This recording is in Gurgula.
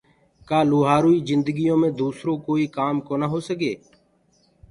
ڪآ لوهآروئي جندگيو مي دوسرو ڪوئي ڪآم ڪونآ هوسگي